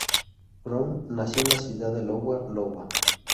Brown nació en la ciudad de Iowa, Iowa.